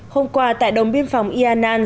hôm qua tại đồng biên phòng ia nan